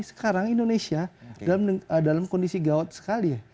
sekarang indonesia dalam kondisi gawat sekali ya